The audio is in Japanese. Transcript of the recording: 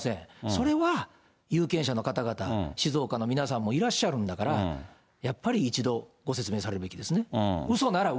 それは有権者の方々、静岡の皆さんもいらっしゃるんだから、やっぱり一度、ご説明されるべきですね。